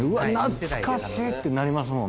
懐かしい！ってなりますもん。